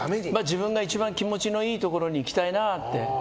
自分が一番気持ちのいいところにいきたいなって。